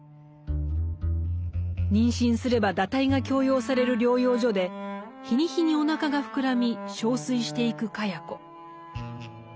妊娠すれば堕胎が強要される療養所で日に日におなかが膨らみ憔悴していく茅子。